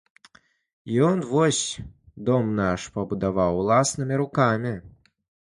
Ён вось дом наш пабудаваў уласнымі рукамі.